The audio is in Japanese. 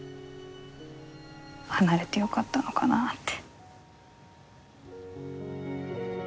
離れてよかったのかなって。